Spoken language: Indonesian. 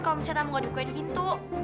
kalau misalnya udah nggak dibukain pintu